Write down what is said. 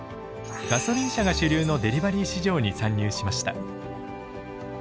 ガソリン車が主流のデリバリー市場に参入しました。